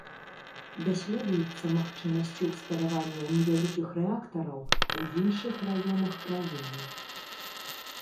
Даследуюцца магчымасці ўсталявання невялікіх рэактараў у іншых раёнах краіны.